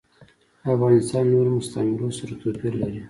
افغانستان له نورو مستعمرو سره توپیر لري.